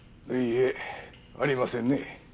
いいえありませんね。